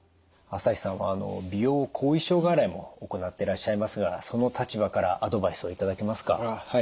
朝日さんは美容後遺症外来も行ってらっしゃいますがその立場からアドバイスを頂けますか？